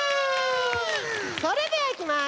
それではいきます。